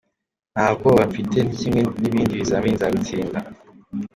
Nta bwoba mfite ni kimwe n’ibindi bizamini nzabitsinda.